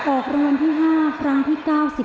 ออกรางวัลที่๕ครั้งที่๙๑